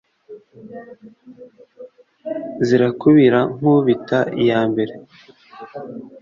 Zirakubira nku bita iy’imbere,